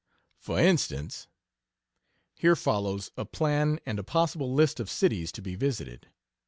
For instance [Here follows a plan and a possible list of cities to be visited.